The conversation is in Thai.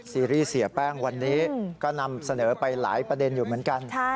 ซีรีส์เสียแป้งวันนี้ก็นำเสนอไปหลายประเด็นอยู่เหมือนกัน